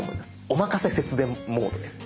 おまかせ節電モードです。